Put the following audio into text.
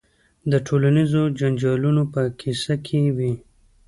د ټولنیزو جنجالونو په کیسه کې وي.